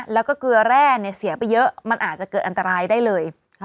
แล้วก็เกลือแร่เสียไปเยอะมันอาจจะเกิดอันตรายได้เลย